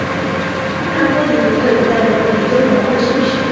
那波尼德对古代文物研究有浓厚兴趣。